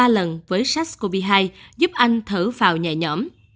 ba lần với sars cov hai giúp anh thở vào nhẹ nhõm